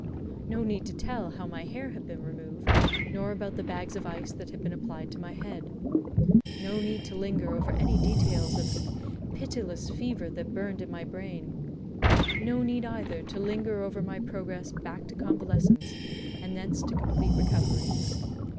No need to tell how my hair had been removed, nor about the bags of ice that had been applied to my head. No need to linger over any details of the "pitiless fever that burned in my brain." No need, either, to linger over my progress back to convalescence, and thence to complete recovery.